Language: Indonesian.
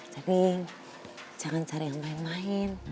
jadi jangan cari yang main main